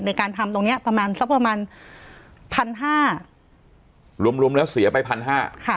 ในการทำตรงเนี้ยประมาณสักประมาณพันห้ารวมรวมแล้วเสียไปพันห้าค่ะ